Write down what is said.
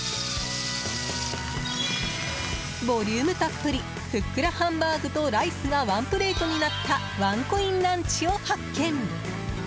ボリュームたっぷりふっくらハンバーグとライスがワンプレートになったワンコインランチを発見。